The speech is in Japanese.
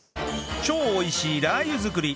超美味しいラー油作り！